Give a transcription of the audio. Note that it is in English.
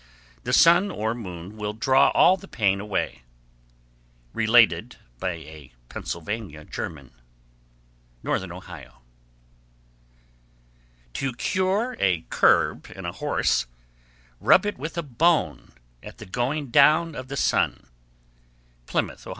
The sun or moon will draw all the pain away. Related by a Pennsylvania German. Northern Ohio. 1155. To cure a curb in a horse, rub it with a bone, at the going down of the sun. _Plymouth, O.